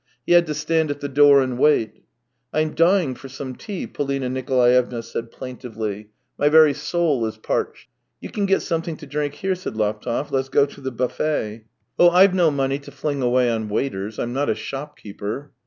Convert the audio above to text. He had to stand at the door and wait. "I'm dying for some tea," PoHna Nikolaevna said plaintively. " My very soul is parched." " You can get something to drink here," said Laptev. " Let's go to the buffet." " Oh, I've no money to fling away on waiters. I'm not a shopkeeper."